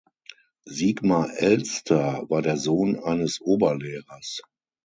Siegmar Elster war der Sohn eines Oberlehrers.